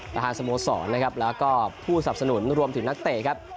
สโมสรนะครับแล้วก็ผู้สับสนุนรวมถึงนักเตะครับ